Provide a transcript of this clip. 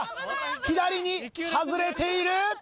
左に外れている！